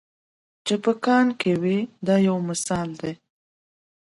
چې په کان کې وي دا یو مثال دی.